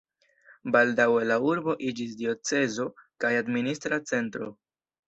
Baldaŭe la urbo iĝis diocezo kaj administra centro.